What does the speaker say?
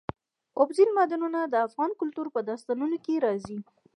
اوبزین معدنونه د افغان کلتور په داستانونو کې راځي.